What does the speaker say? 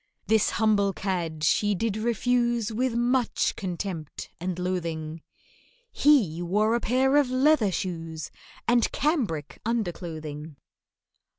This humble cad she did refuse With much contempt and loathing, He wore a pair of leather shoes And cambric underclothing!